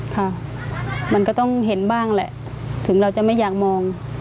ค่ะมันก็ต้องเห็นบ้างแหละถึงเราจะไม่อยากมอง